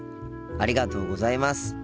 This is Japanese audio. ありがとうございます。